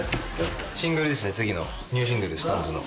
シングルですね次のニューシングルＳｉｘＴＯＮＥＳの。